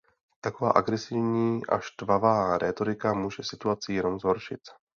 Taková agresivní a štvavá rétorika může situaci jenom zhoršit.